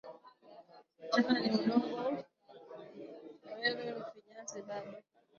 Tena ni udongo na wewe mfinyanzi Baba